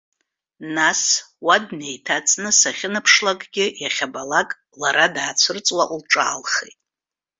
Нас, уа днеиҭаҵны сахьынаԥшлакгьы иахьабалак лара даацәырҵуа лҿаалхеит.